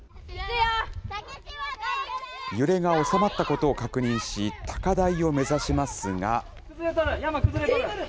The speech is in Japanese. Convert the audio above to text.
揺れが収まったことを確認し、高台を目指しますが。